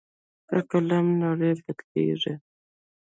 په قلم نړۍ بدلېږي.